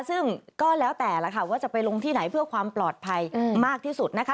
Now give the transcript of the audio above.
ซึ่งก็แล้วแต่ล่ะค่ะว่าจะไปลงที่ไหนเพื่อความปลอดภัยมากที่สุดนะคะ